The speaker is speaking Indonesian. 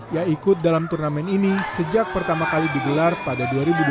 yang ikut dalam turnamen ini sejak pertama kali digelar pada dua ribu lima belas